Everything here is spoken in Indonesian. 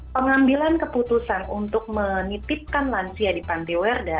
pengambilan keputusan untuk menitipkan lansia di panti werda